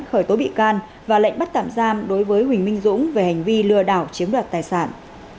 khởi tố bị can và lệnh bắt tạm giam đối với huỳnh minh dũng về hành vi lừa đảo chiếm đoạt tài sản